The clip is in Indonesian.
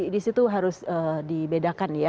di situ harus dibedakan ya